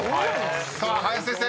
［さあ林先生